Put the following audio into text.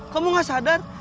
kamu gak sadar